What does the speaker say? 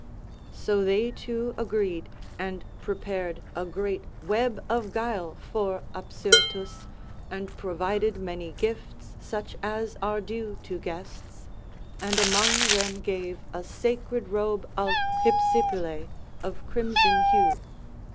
So they two agreed and prepared a great web of guile for Apsyrtus, and provided many gifts such as are due to guests, and among them gave a sacred robe of Hypsipyle, of crimson hue.